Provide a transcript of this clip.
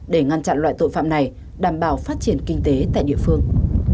để ngăn chặn loại tội phạm này đảm bảo phát triển kinh tế tại địa phương